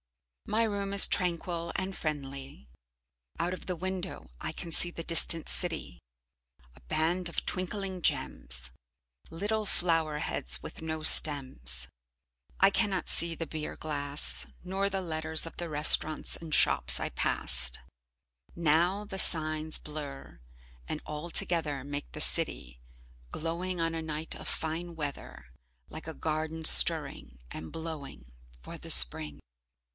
My room is tranquil and friendly. Out of the window I can see the distant city, a band of twinkling gems, little flower heads with no stems. I cannot see the beer glass, nor the letters of the restaurants and shops I passed, now the signs blur and all together make the city, glowing on a night of fine weather, like a garden stirring and blowing for the Spring.